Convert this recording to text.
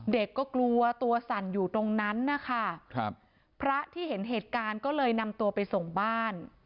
เด็กก็กลัวตัวสั่นอยู่ตรงนั้นนะคะครับพระที่เห็นเหตุการณ์ก็เลยนำตัวไปส่งบ้าน